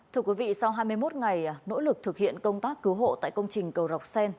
thưa quý vị sau hai mươi một ngày nỗ lực thực hiện công tác cứu hộ tại công trình cầu rạch sen